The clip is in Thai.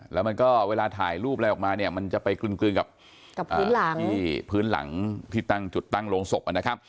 แล้วเวลาถ่ายรูปอะไรออกมามันจะไปคลืนกับพื้นหลังที่จุดตั้งโหลงศพ